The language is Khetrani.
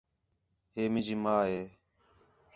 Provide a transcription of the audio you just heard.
ہے مینجی ماں ہے